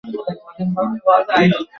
আনিস ছোট্ট একটি নিঃশ্বাস ফেলে উঠে পড়ল।